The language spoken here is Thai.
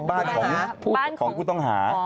บ้านของผู้ต้องหา